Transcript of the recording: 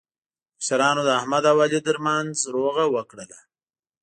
مشرانو د احمد او علي ترمنځ روغه وکړله.